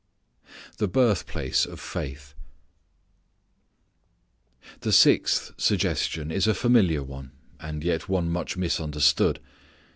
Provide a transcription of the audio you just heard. The Birthplace of Faith. The sixth suggestion is a familiar one, and yet one much misunderstood.